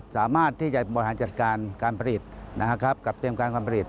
สามารถที่จะบริหารจัดการการผลิตนะครับกับเตรียมการการผลิต